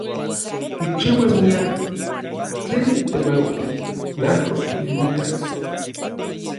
Nikchiuas miak tlen temautij najko iluikak.